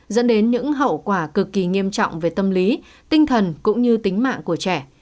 dẫn đến những hậu quả cực kỳ nghiêm trọng về tâm lý tinh thần cũng như tính mạng của trẻ